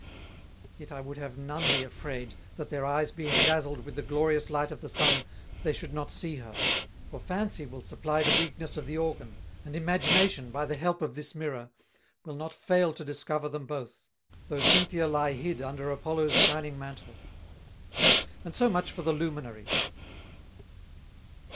Yet I would have none be afraid, that their Eyes being dazzled with the glorious Light of the Sun, they should not see her; for Fancy will supply the Weakness of the Organ, and Imagination, by the help of this Mirrour, will not fail to discover them both; though Cynthia lye hid under Apollo's shining Mantle. And so much for the Luminaries.